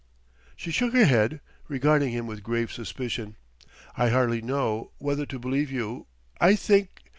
She shook her head, regarding him with grave suspicion. "I hardly know: whether to believe you. I think...."